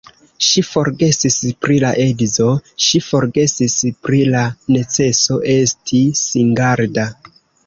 Ŝi forgesis pri la edzo, ŝi forgesis pri la neceso esti singarda.